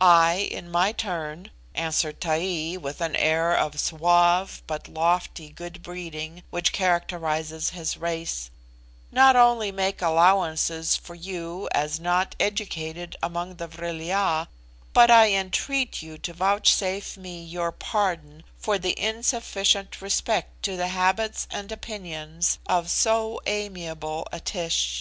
"I, in my turn," answered Taee, with an air of the suave but lofty good breeding which characterises his race, "not only make allowances for you as not educated among the Vril ya, but I entreat you to vouchsafe me your pardon for the insufficient respect to the habits and opinions of so amiable a Tish!"